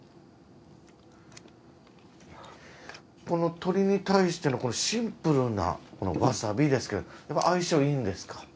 この鶏に対してのシンプルなわさびですけどやっぱ相性いいんですか？